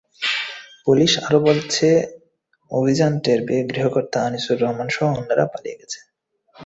Police আরও বলছে, অভিযান টের পেয়ে গৃহকর্তা আনিসুর রহমানসহ অন্যরা পালিয়ে গেছেন।